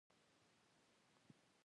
پیرودونکی د نغدو پیسو نشتوالی لري.